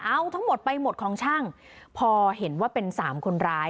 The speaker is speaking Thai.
เอาทั้งหมดไปหมดของช่างพอเห็นว่าเป็นสามคนร้าย